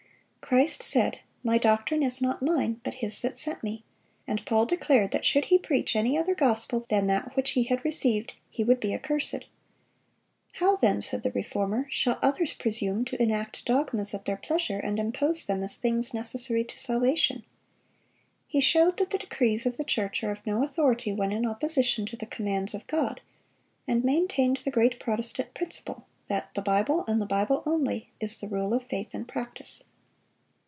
Christ said, "My doctrine is not Mine, but His that sent Me;"(357) and Paul declared that should he preach any other gospel than that which he had received, he would be accursed.(358) "How, then," said the Reformer, "shall others presume to enact dogmas at their pleasure, and impose them as things necessary to salvation?"(359) He showed that the decrees of the church are of no authority when in opposition to the commands of God, and maintained the great Protestant principle, that "the Bible and the Bible only," is the rule of faith and practice.